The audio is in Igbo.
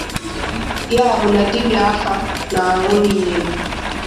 Ya bụ na dibịa afa na-ahụ n'ìhè